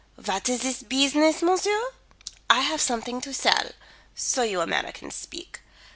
"What is this beesiness, monsieur? I have something to sell so you Americans speak.